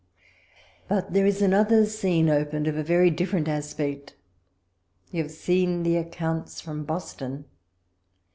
But there is another scene opened of a very different aspect. You have seen the ac counts from Boston.